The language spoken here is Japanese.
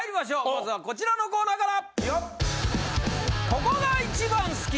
まずはこちらのコーナーから。